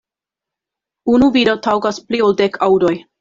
Unu vido taŭgas pli ol dek aŭdoj.